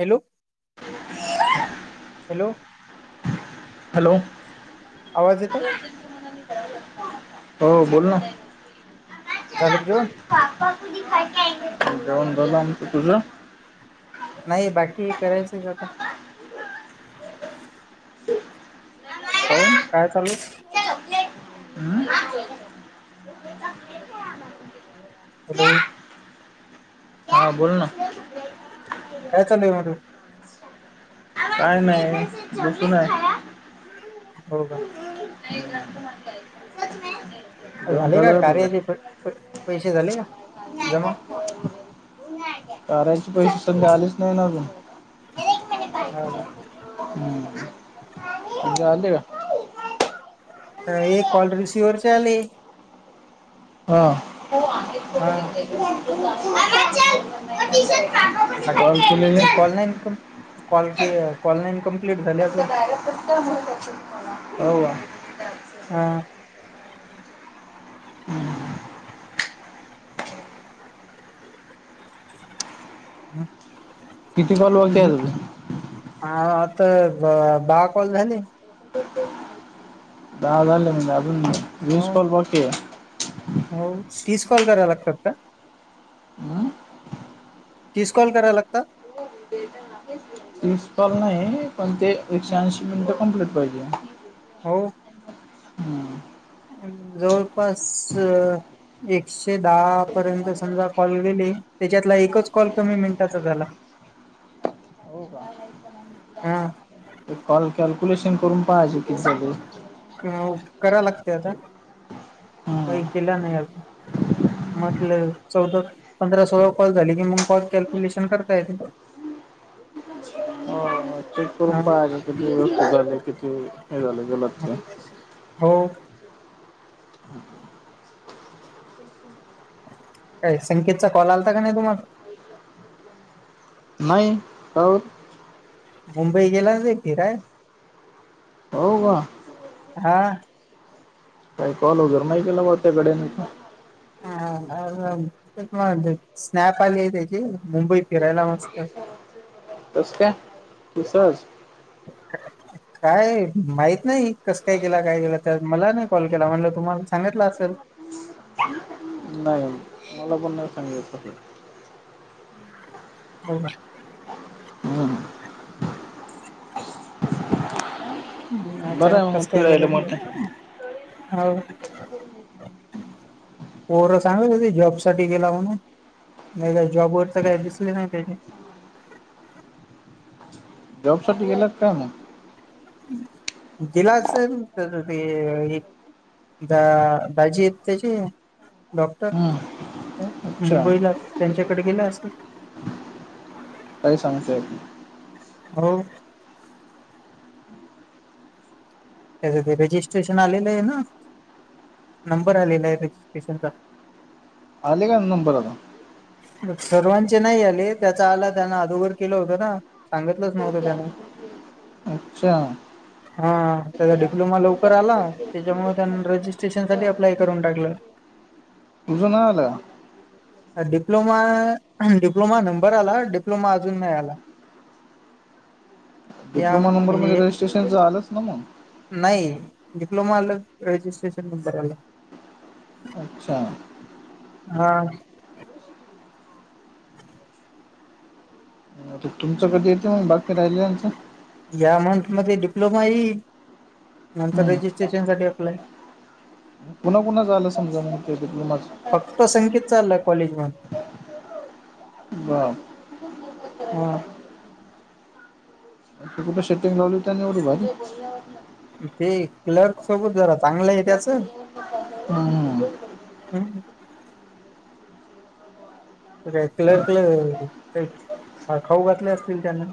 Hello. Hello [inaudible] hello. आवाज येतय हो बोल ना. झालं का जेवण पापा कुदी [unintelligible] जाऊन झालं आमचं तुझ? नाही बाकी करायच ज आता. काऊन. [unintelligible] काय चालु. हम्म. [unintelligible] हॅलो. हा बोल ना. [unintelligible] काय चालुय मधु. काय नाही बसून हाय. हो का. नाही नंत मण कुछ नही. [unintelligible] झाले का कार्याचे प प पैशे झाले का जमा. करर्याचे पैशे संध्या आलीच नाही ना अजून. हा का. हम्म तुमजे आले का? [unintelligible] हे [unintelligible] कॉल रिसीव्हवरर चा आले. हा हो आहे. हा. आता चाल [unintelligible] [unintelligible] हाट मी कॉल नाईन कंप कॉल की कॉल नाईन कम्प्लीट झाल्य. ह वा [unintelligible] हा. हम्म. हम्म. [unintelligible] किती कॉल बाकी हे आजून. हा आता ब दाहा कॉल झाले. दहा झाले म्हणजे अजून हो विस कॉल बॉकी हे. हो तीस कॉल करा लागतात का? हम्म. तीस कॉल करायला लागतात हो बट ना प्रिसिपल नाही पण ते एकशे ऐंशी मिनिटं कम्प्लीट पाहिजे हो हम्म. जवळपास एकशे दहा पर्यंत समजा कॉल गेली त्याच्यातला एकच कॉल कमी मिनिटाचा झाला हो का हा कॉल कॅल्क्युलेशन करून पाहायजे किती झाले अ कराव लागते आता हम्म. काही केलं नाही अ म्हटलं चौदा पंधरा सोळा कॉल झाली की मग कॉल कॅल्क्युलेशन करता येत ह ह चेक करून पाहा किती व्यस्थित झाली किती हे झाले गल ते हो ह काही संकेतचा कॉल आलाता का नाही तुम्हाला ऐ का नाही का मुंबई गेला एकतील काय हो का हा काय कॉल होगैर नाही केला म त्याकडे ह स्नपली ेतचीी मुंबई फिरयला मस्त तस कय तसज ह काय माहत नाही कसं काय केलं काय केलं तर मला नाही कॉल केला म्हणलं तुम्हाला सांगितलं असेल नाही मला पण नाही सांगायचं हे हो हम् हम् बरं चन मग कष्ट आहे गल फिरायला मोठं हो [unintelligible] पोरं सांगा जॉब साठी गेला म्हणून नाही का जॉबवरर तर काही दिसले नाही त्याचे जॉबसाठी गेल्यात काय मग दिलास द बाजी येत त्याची डॉक्टर हम्म अच्छा मुंबईला त्यांच्याकडे गेला असे काही सांगतेयी हो त्या रजिस्ट्रेशन आलेलं आहे ना नंबर आलेला आहे रजिस्ट्रेशनचा आले का नंबर आला सर्वांचे नाही आले त्याचा आला त्याना अदोगर केलं होत ना सांगितलंच नव्हतं त्यान अच्छा ह हा त्याचा डिप्लोमा लवकर आला त्याच्यामुळे त्यां रजिस्ट्रेशन सा अप्लाय करून टाकलं तुझं ना आला आहे डिप्लोमा डिप्लोमा नंबर आला डिप्लोमा अजून नाही आला [unintelligible] डिप्ो या नंबर म्हणजे म्हणजेजिट्रेशन आलंच ना मग नाही डिप्लोमा आलं रजिस्ट्रेशन नंबर आला अच्छा हा तुमचं कधी येतं म बाकी राहिल्याचं? या मंथ मध्ये डिप्लोमा येईल, नंतर हम्म. रजिस्ट्रेशन साठी अप्लाय कुणा कुणाचं आलं समजना ते डिप्लोमाचं? फक्त संकेत चालाय कॉलेज मन बा हां अशी कुठ सेटिंग लावली त्यांनी एवढी भारी? ते क्लर्क सोबत जरा चांगलं आहे त्याचं. हम्म. हू क्लर्कला काही खाऊ घातले आसतील त्यान.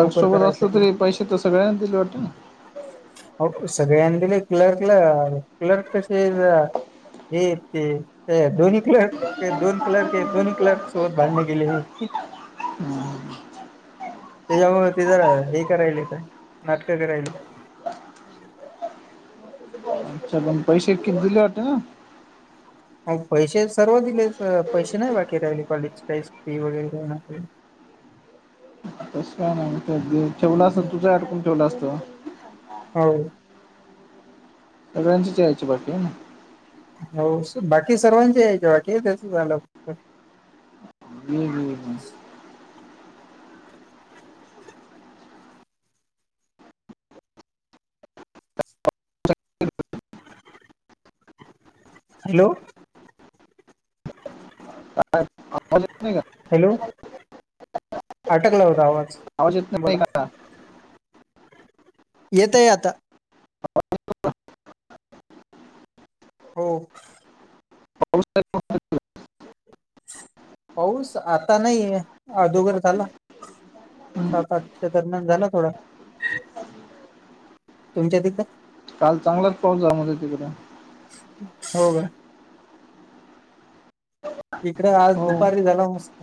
लग सोबत आसलो तरी पैसे तं सगळ्यांना दिल वाटत ना हो सगळ्यांन दिले क्लर्कला क्लर्क कसे हे ते दोनी क्लर्क दोन क्लर्क आहे दोन्ही क्लर्क सोबत भांडण केली. हम्म. त्याच्यामूळ ते जरा हे करायलेत नाटकं करायले. आच्छा पण पैसे किती दिले वाटते ना? हाव पैसे सर्व दिले पैसे नाही बाकी राहिले कॉलेज काहीचं फी वगैरे काय [unintelligible] तस काय नाही ठेवलं असतं तुझं आडकून ठेवलं असतं. हाव. सगळ्यांचेचं यायचे बाकी आहे ना? हो बाकी सर्वांचे यायचे बाकी आहे त्याच झालं. हम् हम् हम्. हॅलो! आवाज येत नाही का? हॅलो! आटकला होता आवाज. आवाज येत नाही बोला का? येतय आता. हो. पाऊस पाऊस आता नाहीये आदोगर झाला. सात आठच्या दरम्यान झाला थोडा, तुमच्या तिकडं? काल चांगलाच पाऊस झाला म्हने तिकडे. हो का? इकडं आज हो दुपारी झाला मस्त.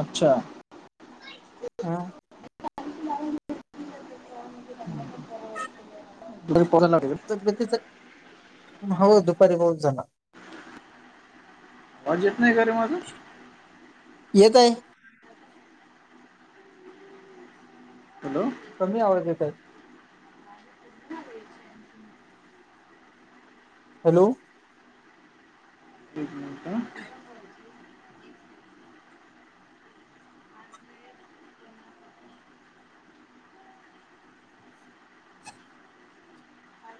आच्छा हा [unintelligible] तिकडं ताबेतीच हो दुपारी पाऊस झाला. आवाज येत नाही का रे माझा? येत आहे. हॅलो! कमी आवाज येत आहे. हॅलो! एक मिनट.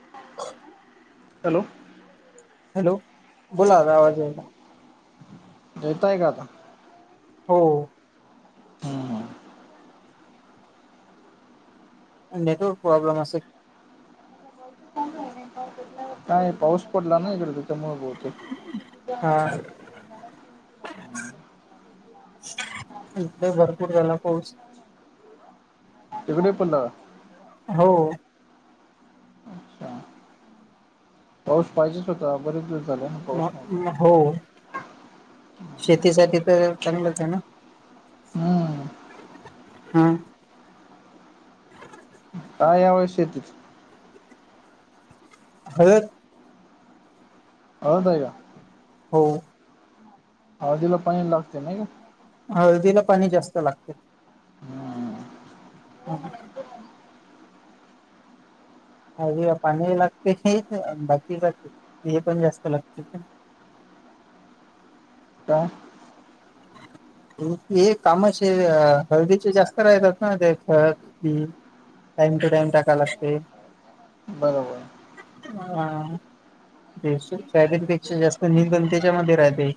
[inaudible] हॅलो! हॅलो! बोला आवाज यायला. येताय का आता? हो. हम्म. नेटवर्क प्रॉब्लेम अस. [inaudible] काय पाऊस पडला ना इकडे त्याच्यामु बोहते. इे भरपूर झाला पाऊस. तिकडे पला. हो. अच्छा पाऊस पाहिजेच होता बरेच दिवस झाले. पाऊस नव्हता म हो शेतीसाठी तर चांगलंच आहे ना. हम्म हा. काय याव शेत. हळद. हळद आहे का. हो. हळदिला पाणी लागते नाही का? हळदीला पाणी जास्त लागते. हम्म. ह. हळदिला पाणी लागते हे बाकी हे पण जास्त लागते. का? एक कामाचे हळदीचे जास्त राहतात ना ते. हम् टईम टू टाइम टका लागते. बरोबर हां. साईडपेक्षा जास्त निंदन त्याच्यामध्ये राहते.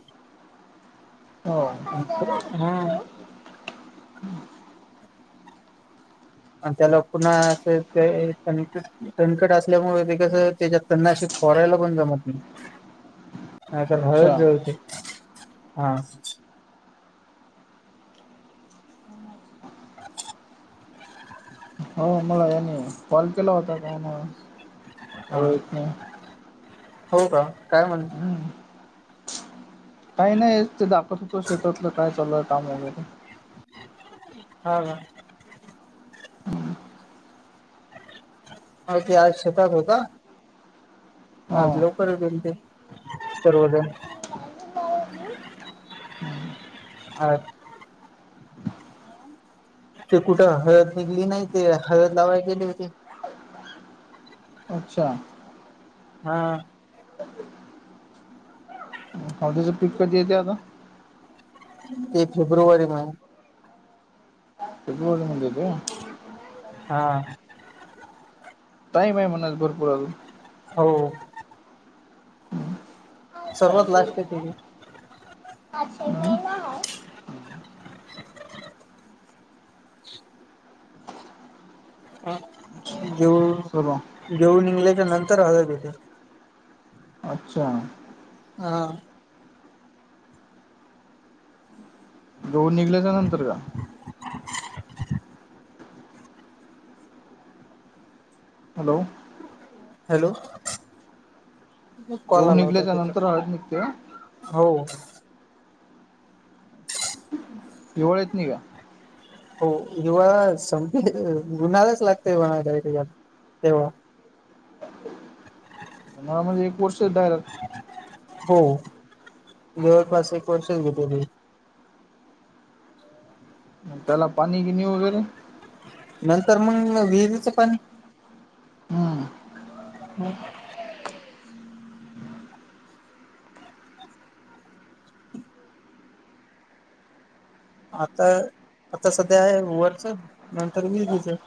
हम. हो आणि त्याला पुन्हा असं ते. सांगते. कणकट असल्यामुळे ते कस त्याच्या तन्नाशी फोरायला पण जमत नाही. नाही तर हळद अच्छा जळते हा. हो मला याने कॉल केला होता त्यांना. हा हो का काय म्हण. हम्म काही नाही ते दाखवत होतो शेतातलं काय चालय काम वगैरे. हा का. ते आज शेतात होता. हा आज लवकरच येल ते सर्वजन. हम्म. आळ. ते कुठं हळद निघली नाही ते हळद लावाय गेले होते ते. अच्छा. हा. हळदीच पिक कधी येते आता. ते फेब्रुवारी ला. फेब्रुवारीमध्येेयेते. हा. टाईम आहे म्हणस भरपूर अजून. हाव. सर्वात लागते टी व्. अच्छा मि ना हाय. अ जेऊन. सर्व दनंगलच्या नंतर हळद ये ते. अच्छा. हा. दऊन निघल्याच्या नंतर का? हॅलो. हॅलो, [unintelligible] कॉल गहू आला होता निघल्याच्या त्याचा. नंतर हळद निघते का हो. दिवाळीत निघा. हो हिवाळा संपेल [unintelligible] ऊन्हाळाच लागतय म्हणा डायरेक [unintelligible] तेव्हा, हा म्हणजे एक वर्ष [unintelligible] हो, जवळपास एक वर्षच घेत. त्याला पाणी गिनी वगैरे, नंतर मग विहिरीचं पाणी. हम्म हम्म आता, आता सध्या आहे व वरच नंतर [unintelligible]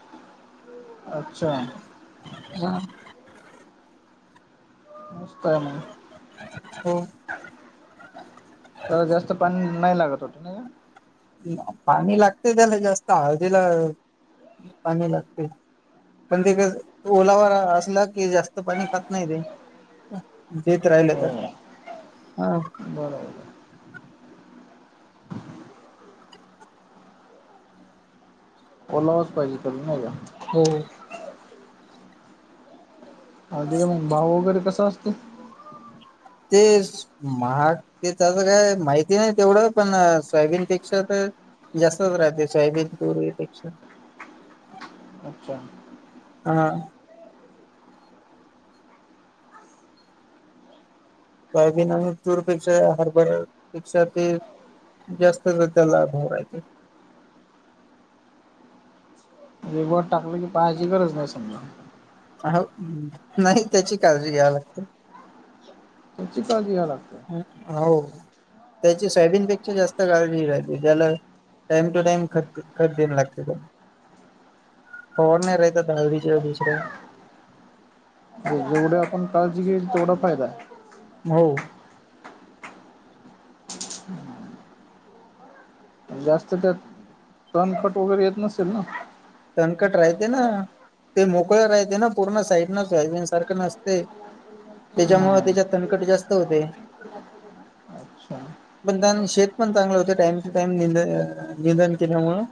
अच्छा! मग, मस्त आहे मग, हो, त्याला जास्त पाणी नाही लागत होत वाटत ना ग, पाणी लागते, त्याला जास्त हळदीला पाणी लागते. पण ते ओलावा असला की जास्त पाणी खात नाही ते. तुमचे एक राहिले तर. हम्म. हो, बरोबर. ओलावाच पाहिजे नाही का? हो हो, हळदीचा मग भाव वगैरे कसा असतोय. ते, महाग ते त्याचं काय माहिती नाही तेवढं आपण, सोयाबिनपेक्षा तर जास्तच राहते सोयाबिन पूर्वीपेक्षा, अच्छा! सोयाबीन, तूरपेक्षा, हरभरापेक्षा ते जास्तच त्याला भाव राहायचे. म्हणजे उगवाय टाकलं की पहायची गरज नाही समजा. हो, नाही त्याची काळजी घ्याव लागते. त्याची काळजी घ्या लागत्या. हो, त्याची सोयबीनपेक्षा जास्त काळजी घ्या [unintelligible] टाइम टू टाइम खत ख देन लागते त्याला. [unintelligible] हो जेवढे आपण काळजी घेईल तेवढा फायदा आहे. मऊ. जास्त त्यात तनखट वगैरे येत नसेल ना? तणखट राहते ना. ते मोकळ राहते ना, पूर्ण साईड न सोयाबीन सारखं नसते. त्याच्यामुळे हम्म त्याच्यात तणकट जास्त होते. अच्छा! पण शेत पण चांगलं होते टाइम टू टाइम नि [unintelligible] केल्यामुळ.